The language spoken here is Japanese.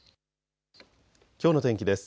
きょうの天気です。